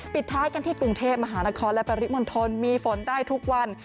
ปิดท้ายกันที่กรุงเทพมหานครและปริมณฑลมีฝนได้ทุกวัน